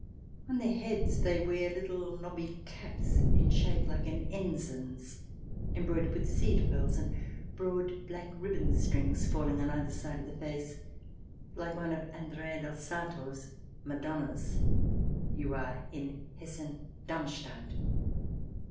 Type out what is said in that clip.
On their heads they wear little knobby caps, in shape like an ensign's, embroidered with seed pearls and broad black ribbon strings falling on either side of the face, like one of Andrea del Sarto's Madonnas. You are in Hessen Darmstadt.